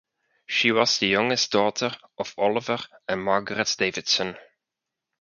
She was the youngest daughter of Oliver and Margaret Davidson.